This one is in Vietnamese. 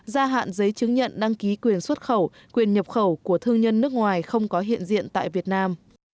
gia hạn giấy chứng nhận đăng ký quyền xuất khẩu quyền nhập khẩu của thương nhân nước ngoài không có hiện diện tại việt nam